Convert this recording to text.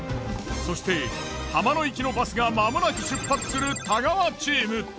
そして浜野行きのバスがまもなく出発する太川チーム。